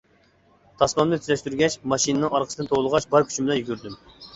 تاسمامنى تۈزەشتۈرگەچ ماشىنىنىڭ ئارقىسىدىن توۋلىغاچ بار كۈچۈم بىلەن يۈگۈردۈم.